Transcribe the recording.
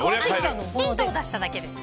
ヒントを出しただけです。